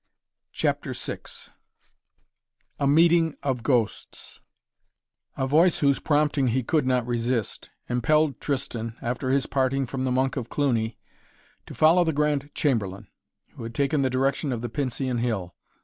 CHAPTER VI A MEETING OF GHOSTS A voice whose prompting he could not resist, impelled Tristan, after his parting from the Monk of Cluny, to follow the Grand Chamberlain, who had taken the direction of the Pincian Hill.